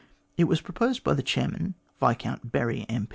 It was proposed by the chairman, Viscount Bury, M.